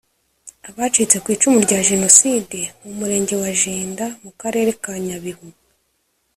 Abacitse ku icumu rya Jenoside mu murenge wa Jenda mu karere ka Nyabihu